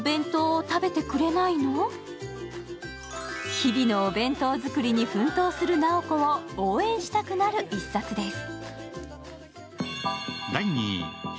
日々のお弁当作りに奮闘するなおこを応援したくなる一冊です。